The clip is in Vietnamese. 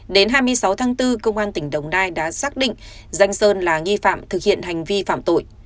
đến hai mươi sáu tháng bốn công an tỉnh đồng nai đã xác định danh sơn là nghi phạm thực hiện hành vi phạm tội